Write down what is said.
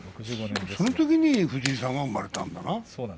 そのときに藤井さんが生まれたんだな。